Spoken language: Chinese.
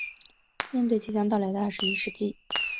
面对着即将到来的二十一世纪